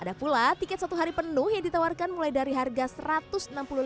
ada pula tiket satu hari penuh yang ditawarkan mulai dari harga rp satu ratus enam puluh